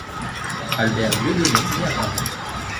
Albert Dieudonné naît à Paris.